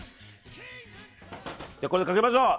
じゃあ、これでかけましょう。